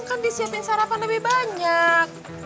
kan disiapin sarapan lebih banyak